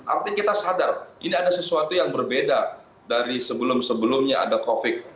artinya kita sadar ini ada sesuatu yang berbeda dari sebelum sebelumnya ada covid